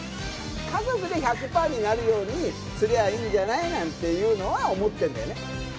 家族で１００パーになるようにすりゃいいんじゃないみたいなのは思ってるんだよね。